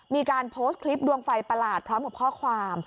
มีการโพสต์คลิปดวงไฟประหลาดพร้อมกับข้อความ